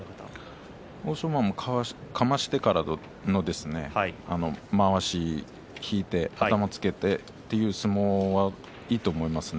欧勝馬もかましてからのまわしを引いて頭をつけてという相撲がいいと思いますね。